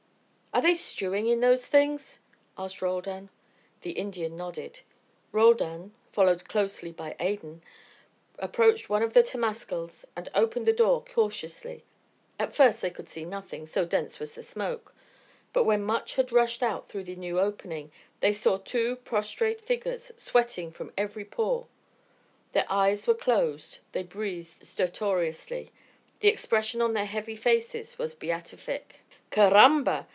"Are they stewing in those things?" asked Roldan. The Indian nodded. Roldan, followed closely by Adan, approached one of the temascals and opened the door cautiously. At first they could see nothing, so dense was the smoke; but when much had rushed out through the new opening, they saw two prostrate figures, sweating from every pore. Their eyes were closed, they breathed stertorously. The expression on their heavy faces was beatific. "Caramba!"